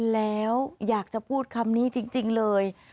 แล้วอยากจะพูดคำนี้จริงเลย